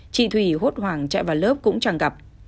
chị thủy hốt hoảng chạy vào lớp cũng chẳng gặp